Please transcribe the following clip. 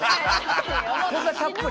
こんな、たっぷり。